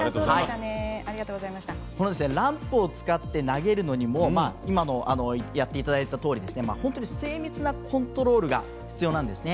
ランプを使って投げるにも今やっていただいたとおり本当に精密なコントロールが必要なんですね。